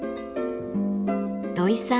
土井さん